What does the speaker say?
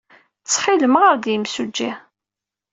Ttxil-m, ɣer-d i yemsujji!